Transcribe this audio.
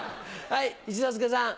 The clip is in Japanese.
はい一之輔さん。